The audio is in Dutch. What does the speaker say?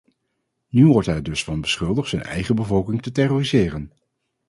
Nu wordt hij er dus van beschuldigd zijn eigen bevolking te terroriseren.